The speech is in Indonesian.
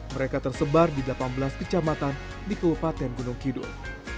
mereka tersebar di delapan belas kecamatan di kabupaten gunung kidul